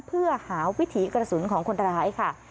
เพื่อหาวิถีกระสุนของคนร้ายค่ะ